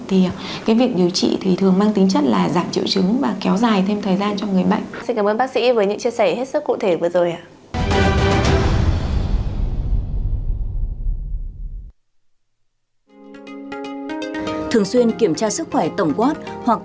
thì cái việc điều trị thì thường mang tính chất là giảm triệu chứng và kéo dài thêm thời gian cho người bệnh